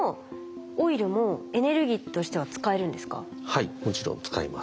はいもちろん使えます。